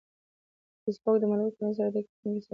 فېسبوک د ملګرو او کورنۍ سره اړیکې ټینګې ساتي.